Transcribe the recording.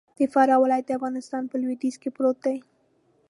د فراه ولايت د افغانستان په لویدیځ کی پروت دې.